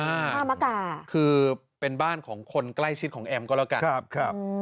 ท่ามะกาคือเป็นบ้านของคนใกล้ชิดของแอมก็แล้วกันครับครับ